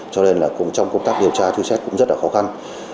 cho nên là trong công tác điều tra truy xét cũng rất là khó khăn